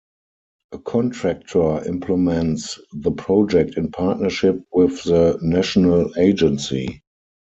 A contractor implements the project in partnership with the national agency.